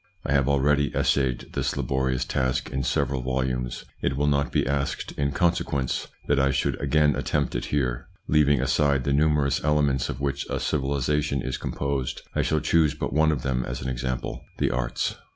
I have already essayed this laborious task in several volumes ; it will not be asked, in consequence, that I should again attempt it here. Leaving aside the numerous elements of which a civilisation is composed, I shall choose but one of them as an example : the arts.